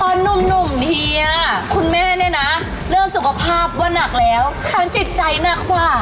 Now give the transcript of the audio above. ตอนหนุ่มเฮียคุณแม่นะเลิกสุขภาพว่าหนักแล้วคั้นจิตใจหนักว่า